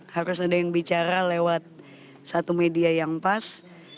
harus ada yang bicara lewat satu media yang pas